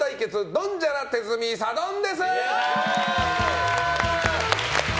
ドンジャラ手積みサドンデス！